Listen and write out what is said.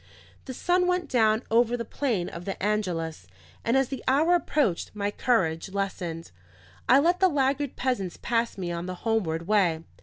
The sun went down over the plain of the Angelus, and as the hour approached, my courage lessened. I let the laggard peasants pass me on the homeward way.